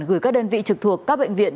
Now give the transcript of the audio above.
gửi các đơn vị trực thuộc các bệnh viện